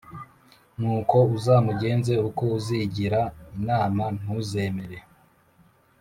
Nuko uzamugenze uko uzigira inama ntuzemere